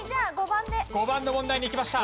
５番の問題にいきました。